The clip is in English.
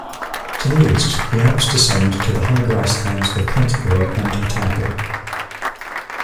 To the east, the Alps descend to the high grasslands of Canterbury and Otago.